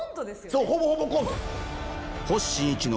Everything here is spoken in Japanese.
そうほぼほぼコント！